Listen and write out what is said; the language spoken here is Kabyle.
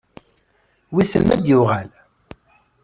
Wissen ma ad d-yuɣal?